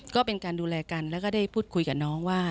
ก็เป็นการดูแลกันแล้วก็ได้พูดคุยกับน้องว่า